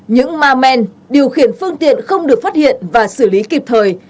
những ma men điều khiển phương tiện không được phát hiện và xử lý kịp thời